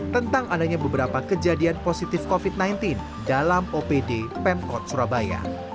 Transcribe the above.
tentang adanya beberapa kejadian positif covid sembilan belas dalam opd pemkot surabaya